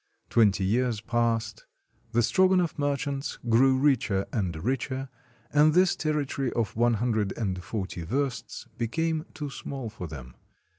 Twenty years passed. The Strogonoff merchants grew richer and richer, and this territory of one hundred and forty versts became too small for them.